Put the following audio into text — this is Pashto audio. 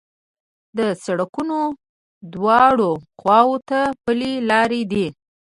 د سړکونو دواړو خواوو ته پلي لارې دي.